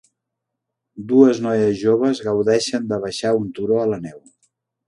Dues noies joves gaudeixen de baixar un turó a la neu.